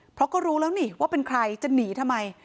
เพราะก็รู้แล้วนี่ว่าเป็นใครจะหนีทำไม